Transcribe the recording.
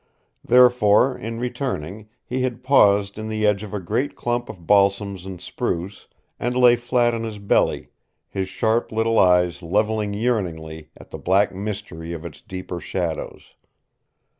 Therefore, in returning, he had paused in the edge of a great clump of balsams and spruce, and lay flat on his belly, his sharp little eyes leveled yearningly at the black mystery of its deeper shadows.